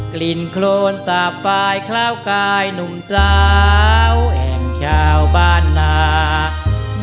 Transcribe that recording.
กลิ่นโครนตาฟายกล้าวกายหนุ่มสาวแห่งชาวบ้านนา